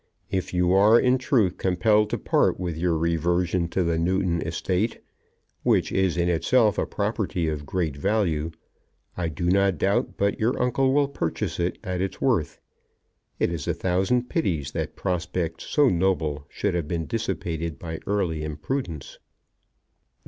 "If you are in truth compelled to part with your reversion to the Newton estate, which is in itself a property of great value, I do not doubt but your uncle will purchase it at its worth. It is a thousand pities that prospects so noble should have been dissipated by early imprudence."